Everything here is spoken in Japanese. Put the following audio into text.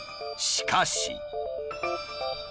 しかし。